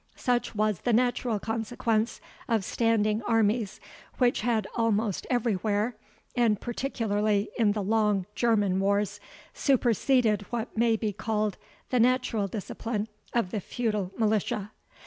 Such was the natural consequence of standing armies, which had almost everywhere, and particularly in the long German wars, superseded what may be called the natural discipline of the feudal militia.